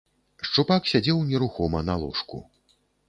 Шчупак сядзеў нерухома на ложку.